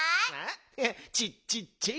チッチッチ。